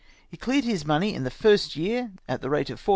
He cleared his money in the first year at the rate of 400Z.